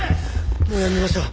もうやめましょう。